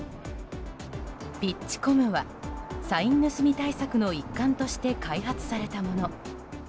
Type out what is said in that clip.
ピッチコムはサイン盗み対策の一環として開発されたもの。